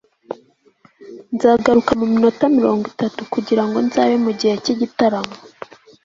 nzagaruka muminota mirongo itatu kugirango nzabe mugihe cyigitaramo